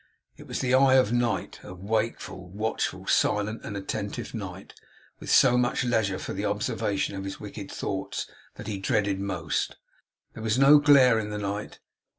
It was the eye of Night of wakeful, watchful, silent, and attentive Night, with so much leisure for the observation of his wicked thoughts that he dreaded most. There is no glare in the night.